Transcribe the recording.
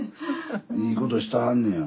いいことしてはんねや。